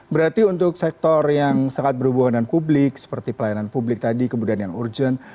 berarti untuk sektor yang sangat berhubungan dengan publik seperti pelayanan publik tadi kemudian yang urgent